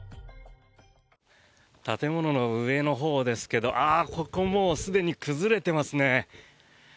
建物の上のほうですけどここもうすでに崩れていますね。